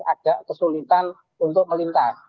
agak kesulitan untuk melintas